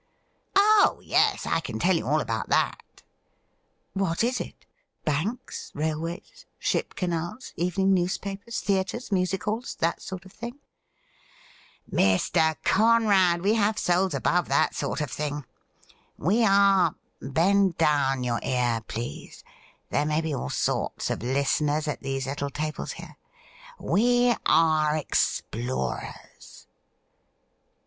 ' Oh yes ; I can tell you all about that.' ' What is it ? banks, railways, ship canals, evening news papers, theatres, music halls — ^that sort of thing .?' 'Mr. Conrad, we have souls above that sort of thing. We are — ^bend down your ear, please ; there may be all sorts of listeners at these little tables here — we are ex plorers.'